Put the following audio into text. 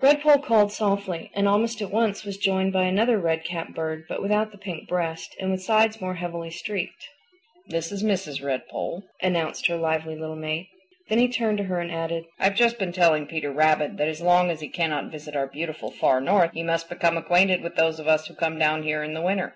Redpoll called softly and almost at once was joined by another red capped bird but without the pink breast, and with sides more heavily streaked. "This is Mrs. Redpoll," announced her lively little mate. Then he turned to her and added, "I've just been telling Peter Rabbit that as long as he cannot visit our beautiful Far North he must become acquainted with those of us who come down here in the winter.